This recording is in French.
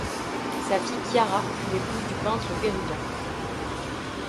Sa fille Chiara fut l'épouse du peintre Le Pérugin.